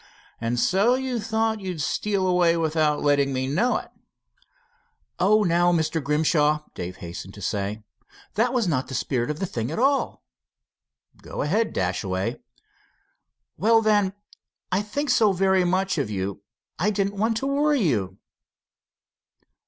"And so you thought you'd steal away without letting me know it?" "Oh, now, Mr. Grimshaw!" Dave hastened to say "that was not the spirit of the thing at all." "Go ahead, Dashaway." "Well, then, I think so very much of you I didn't want it to worry you."